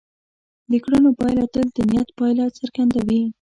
د کړنو پایله تل د نیت پایله څرګندوي.